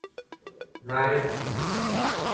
না, রে!